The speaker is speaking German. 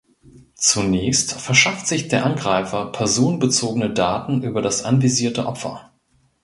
Zunächst verschafft sich der Angreifer personenbezogene Daten über das anvisierte Opfer.